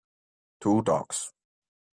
Two dogs.